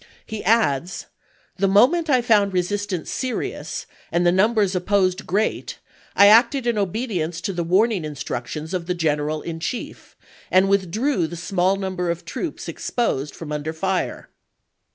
" He adds: "The moment I found resistance serious, and the numbers op posed great, I acted in obedience to the warning instructions of the general in chief, and withdrew voi.xi., the small number of troops exposed from under p.^aee."' fire."